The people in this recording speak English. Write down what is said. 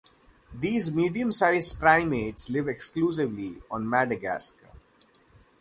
These medium-sized primates live exclusively on Madagascar.